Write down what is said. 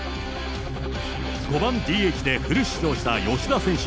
５番ＤＨでフル出場した吉田選手。